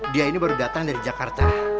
dia ini baru datang dari jakarta